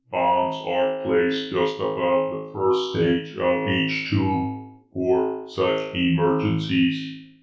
"Bombs are placed just above the first stage of each Tube for such emergencies.